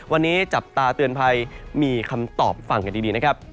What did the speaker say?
วันนี้จับตาเตือนภัยมีคำตอบฟังกันดีนะครับ